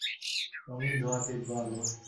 রঙিন ধোয়া, তীব্র আলো।